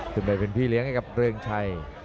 ถึงไปเป็นพี่เลี้ยงนะครับเรืองชัย